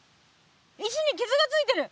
石にきずがついてる！